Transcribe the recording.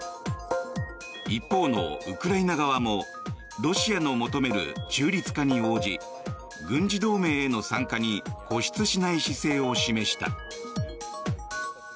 一方のウクライナ側もロシアの求める中立化に応じ軍事同盟への参加に固執しない姿勢を示した。